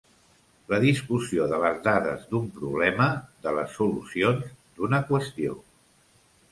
La discussió de les dades d'un problema, de les solucions d'una qüestió.